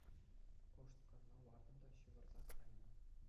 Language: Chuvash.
Кӑшт канма лартӑм та ҫывӑрсах кайнӑ.